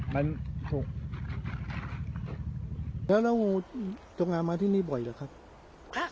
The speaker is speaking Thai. มันมันถูกแล้วแล้วตรงมามาที่นี่บ่อยหรือครับครับ